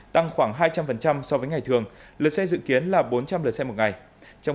tăng hai trăm linh so với ngày thường